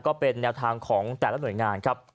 ก็เป็นแนวทางของแต่ละหน่วยงานครับ